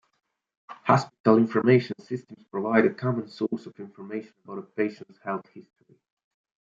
Hospital Information Systems provide a common source of information about a patient's health history.